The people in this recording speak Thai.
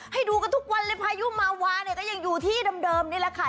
ให้ดูกันทุกวันเลยพายุมาวาเนี่ยก็ยังอยู่ที่เดิมนี่แหละค่ะ